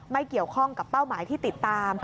ไม่เกี่ยวข้องกับเป้าหมายที่ติดตาม